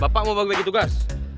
bapak mau bagi tugas